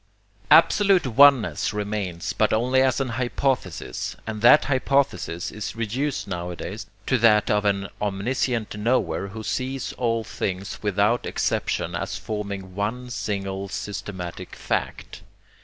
Absolute oneness remains, but only as an hypothesis, and that hypothesis is reduced nowadays to that of an omniscient knower who sees all things without exception as forming one single systematic fact.